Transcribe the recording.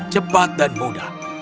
cepat dan mudah